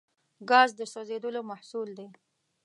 ګاز د سوځیدلو محصول دی.